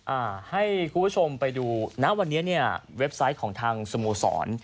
อ่าให้คุณผู้ชมไปดูนะวันนี้เนี่ยเว็บไซต์ของทางสโมสร